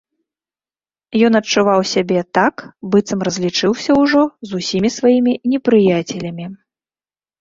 Ён адчуваў сябе так, быццам разлічыўся ўжо з усімі сваімі непрыяцелямі.